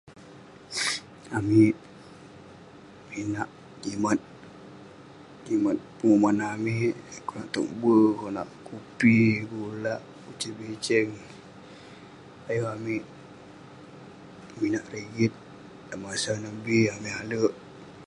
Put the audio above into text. Amik minak jimat penguman amik. Konak tok be, konak kupi, gula, usen beseng. Ayuk amik minak rigit. Masa ne bi, amik alek.